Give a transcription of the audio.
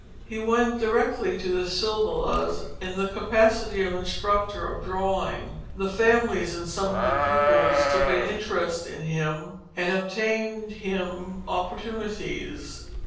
He went directly to the Silvelas' in the capacity of instructor of drawing; the families of some of the pupils took an interest in him and obtained him opportunities.